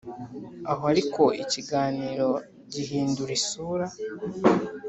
aho ariko ikiganiro gihindura isura.